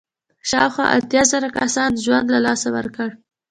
شاوخوا اتیا زره کسانو ژوند له لاسه ورکړ.